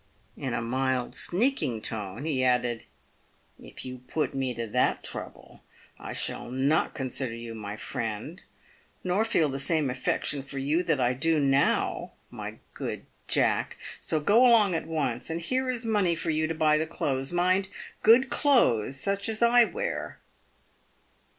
In a mild, sneaking tone, he added, " If you put me to that trouble, I shall not consider you my friend, nor feel the same affection for you that I do now, my good Jack. So go along at once, and here is money for you to buy the clothes — mind, good clothes, such as I wear."